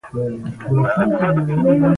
ایمل او هارون خبرې کوي.